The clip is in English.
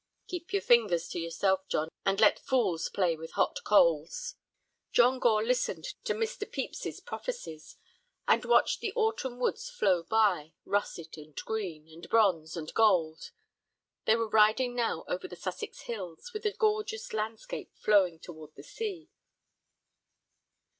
Keep your fingers to yourself, John, and let fools play with hot coals." John Gore listened to Mr. Pepys's prophecies, and watched the autumn woods flow by, russet and green, and bronze and gold. They were riding now over the Sussex hills, with a gorgeous landscape flowing toward the sea.